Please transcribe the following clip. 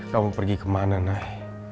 kamu pergi kemana nay